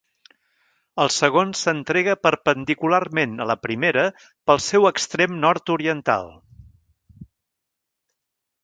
El segon s'entrega perpendicularment a la primera pel seu extrem nord-oriental.